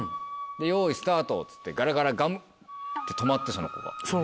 用意スタートっつってガラガラ止まってその子が。